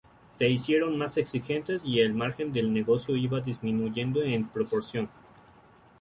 Se hicieron más exigentes y el margen del negocio iba disminuyendo en proporción.